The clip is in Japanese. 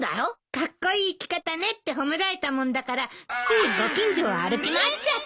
「カッコイイ着方ね」って褒められたもんだからついご近所を歩き回っちゃったの。